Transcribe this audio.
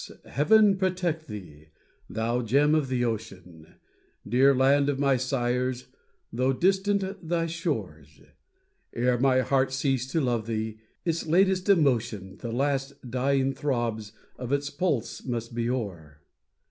heaven protect thee, thou gem of the ocean; Dear land of my sires, though distant thy shores; Ere my heart cease to love thee, its latest emotion, The last dying throbs of its pulse must be o'er.